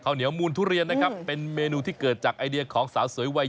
เหนียวมูลทุเรียนนะครับเป็นเมนูที่เกิดจากไอเดียของสาวสวยวัย